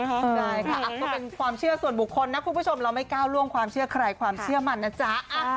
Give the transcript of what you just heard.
ใช่ค่ะก็เป็นความเชื่อส่วนบุคคลนะคุณผู้ชมเราไม่ก้าวล่วงความเชื่อใครความเชื่อมันนะจ๊ะ